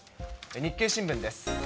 日経新聞です。